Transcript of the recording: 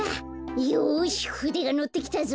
よしふでがのってきたぞ！